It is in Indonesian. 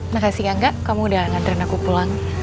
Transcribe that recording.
makasih angga kamu udah nganterin aku pulang